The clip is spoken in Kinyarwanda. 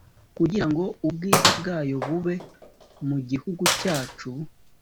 Kugira ngo ubwiza bwayo bube mu gihugu cyacu